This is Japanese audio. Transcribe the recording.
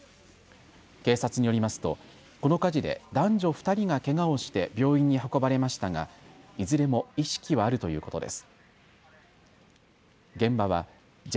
警察によりますとこの火事で男女２人がけがをして病院に運ばれましたが、いずれも意識はあるということです。